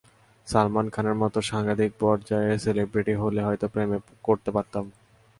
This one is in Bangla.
সালমান খানের মতো সাংঘাতিক পর্যায়ের সেলেব্রিটি হলে হয়তো প্রেম করতে পারতাম।